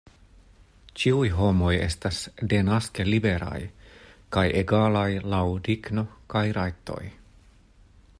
Ĉiuj homoj estas denaske liberaj kaj egalaj laŭ digno kaj rajtoj.